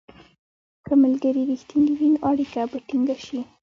که ملګري رښتیني وي، نو اړیکه به ټینګه شي.